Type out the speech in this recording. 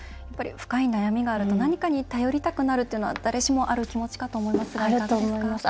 深い悩みがあると何かに頼りたくなるというのは誰しもある気持ちかと思いますがいかがですか？